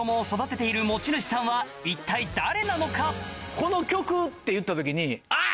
この曲っていった時にあぁ！